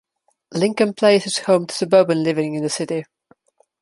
Lincoln Place is home to suburban living in the city.